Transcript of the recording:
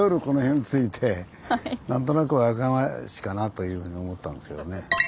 この辺着いて何となく和歌山市かなというふうに思ったんですけどね。